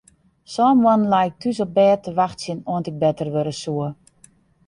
Sân moannen lei ik thús op bêd te wachtsjen oant ik better wurde soe.